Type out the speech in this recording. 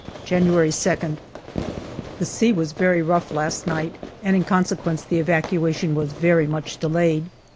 January 2nd. The sea was very rough last night, and in consequence the evacuation was very much delayed.